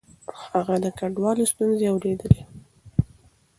هغه د کډوالو ستونزې اورېدلې.